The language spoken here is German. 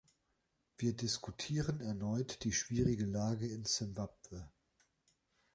Wir diskutieren erneut die schwierige Lage in Simbabwe.